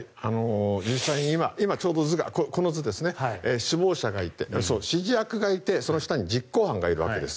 実際に今、図がこの図ですね首謀者がいて、指示役がいてその下に実行犯がいるわけです。